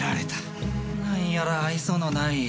なんやら愛想のない。